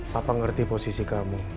papa ngerti posisi kamu